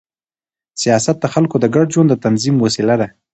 سیاست د خلکو د ګډ ژوند د تنظیم وسیله ده